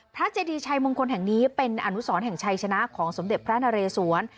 เจดีชัยมงคลแห่งนี้เป็นอนุสรแห่งชัยชนะของสมเด็จพระนเรศวร